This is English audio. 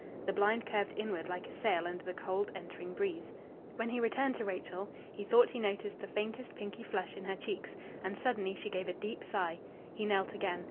The blind curved inward like a sail under the cold entering breeze. When he returned to Rachel he thought he noticed the faintest pinky flush in her cheeks. And suddenly she gave a deep sigh. He knelt again.